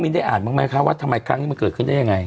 ได้อ่านบ้างไหมคะว่าทำไมครั้งนี้มันเกิดขึ้นได้ยังไง